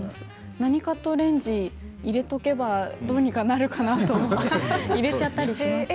何かとレンジに入れておけばどうにかなるかなと思って入れちゃったりしますね。